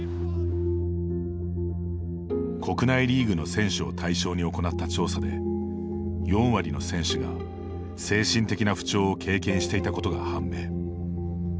国内リーグの選手を対象に行った調査で４割の選手が精神的な不調を経験していたことが判明。